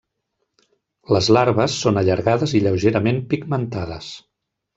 Les larves són allargades i lleugerament pigmentades.